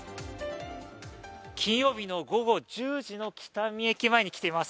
金曜日の午後１０時の北見駅前にきています。